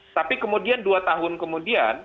tapi kemudian dua tahun kemudian